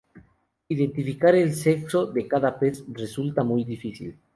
Identificar el sexo de cada pez resulta muy difícil.